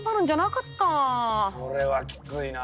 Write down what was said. それはきついな。